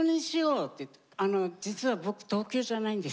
あの実は僕東京じゃないんです。